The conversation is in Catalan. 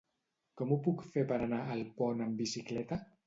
Com ho puc fer per anar a Alpont amb bicicleta?